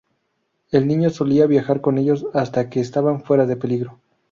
El niño solía viajar con ellos hasta que estaban fuera de peligro.